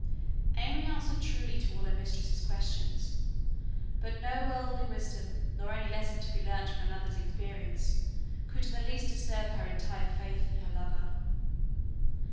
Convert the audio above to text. AimÄe answered truly to all her mistress's questions; but no worldly wisdom, nor any lesson to be learnt from another's experience, could in the least disturb her entire faith in her lover.